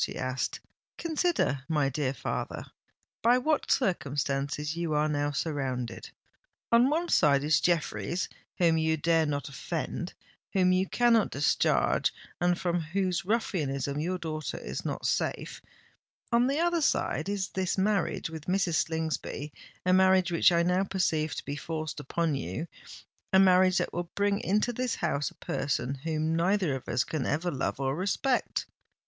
she asked. "Consider, my dear father, by what circumstances you are now surrounded. On one side is Jeffreys whom you dare not offend—whom you cannot discharge—and from whose ruffianism your daughter is not safe. On the other side, is this marriage with Mrs. Slingsby—a marriage which I now perceive to be forced upon you—a marriage that will bring into this house a person whom neither of us can ever love or respect!"